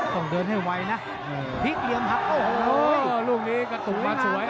ต้องเดินให้ไวนะพลิกเหลี่ยมหักโอ้โหลูกนี้กระตุกมาสวย